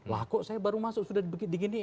lah kok saya baru masuk sudah digini